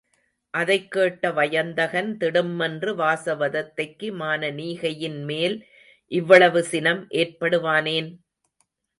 அதைக் கேட்ட வயந்தகன், திடுமென்று வாசவதத்தைக்கு மானனீகையின் மேல் இவ்வளவு சினம் ஏற்படுவானேன்?